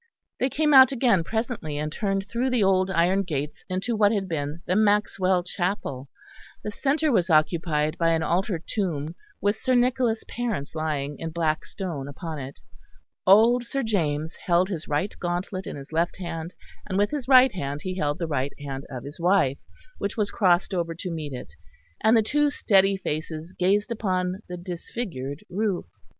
They came out again presently, and turned through the old iron gates into what had been the Maxwell chapel. The centre was occupied by an altar tomb with Sir Nicholas' parents lying in black stone upon it. Old Sir James held his right gauntlet in his left hand, and with his right hand held the right hand of his wife, which was crossed over to meet it; and the two steady faces gazed upon the disfigured roof.